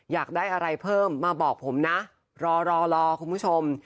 อยากได้อะไรเพิ่มมาบอกผมนะรอรอคุณผู้ชม